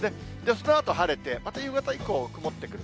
そのあと晴れて、また夕方以降、曇ってくる。